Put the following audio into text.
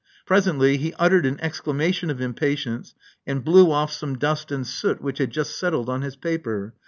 Presently he uttered an exclamation of impatience, and blew off some dust and soot which had just settled on his paper.